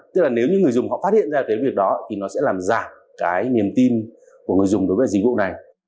tức là nếu như người dùng họ phát hiện ra cái việc đó thì nó sẽ làm giảm cái niềm tin của người dùng đối với dịch vụ này